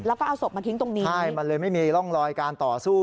แล้วก็เอาศพมาทิ้งตรงนี้ใช่มันเลยไม่มีร่องรอยการต่อสู้